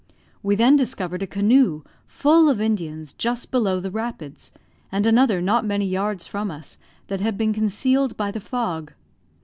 We then discovered a canoe, full of Indians, just below the rapids, and another not many yards from us, that had been concealed by the fog.